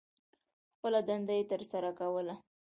خپله دنده یې تر سرہ کوله.